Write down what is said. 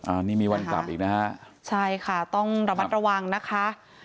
อันนี้มีวันกลับอีกนะฮะใช่ค่ะต้องระมัดระวังนะคะ